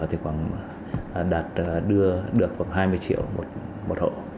thì đạt được khoảng hai mươi triệu một hộ